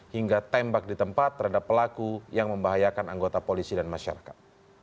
hingga tembak di tempat terhadap pelaku yang membahayakan anggota polisi dan masyarakat